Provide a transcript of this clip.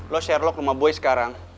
lo sherlock rumah boy sekarang